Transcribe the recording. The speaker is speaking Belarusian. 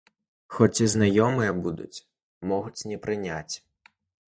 Хоць і знаёмыя будуць, могуць не прыняць.